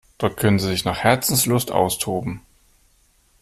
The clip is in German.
Dort können sie sich nach Herzenslust austoben.